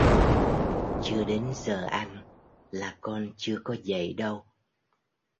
Chưa đến giờ ăn là con chưa có dậy đâu